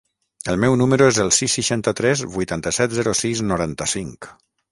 El meu número es el sis, seixanta-tres, vuitanta-set, zero, sis, noranta-cinc.